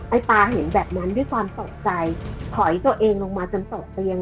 ตาเห็นแบบนั้นด้วยความตกใจถอยตัวเองลงมาจนตกเตียง